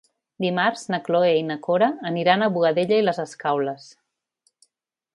Dimarts na Cloè i na Cora aniran a Boadella i les Escaules.